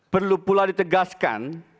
perlu pula ditegaskan